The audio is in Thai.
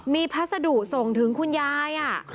มีพัสดุส่งถึงคุณยาย